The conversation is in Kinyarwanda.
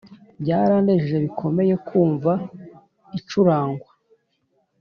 byaranejeje bikomeye kumva icurangwa!